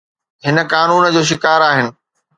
هن قانون جو شڪار آهن